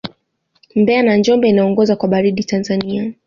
mbeya na njombe inaongoza kwa baridi tanzania